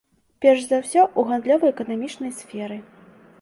Перш за ўсё, у гандлёва-эканамічнай сферы.